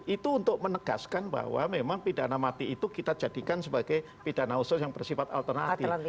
itu untuk menegaskan bahwa memang pidana mati itu kita jadikan sebagai pidana khusus yang bersifat alternatif